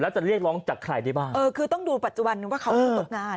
จะเรียกร้องจากใครได้บ้างเออคือต้องดูปัจจุบันนึงว่าเขาคือตกงาน